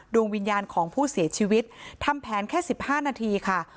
ดวงวิญญาณของผู้เสียชีวิตทำแผนแค่๑๕นาทีค่ะ